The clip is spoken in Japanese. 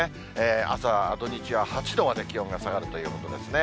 朝、土日は８度まで気温が下がるということですね。